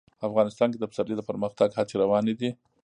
افغانستان کې د پسرلی د پرمختګ هڅې روانې دي.